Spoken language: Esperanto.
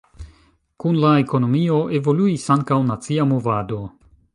Kun la ekonomio evoluis ankaŭ nacia movado.